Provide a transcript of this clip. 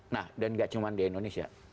nah dan gak cuma di indonesia